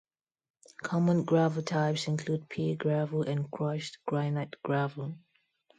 Common gravel types include pea gravel and crushed granite gravel.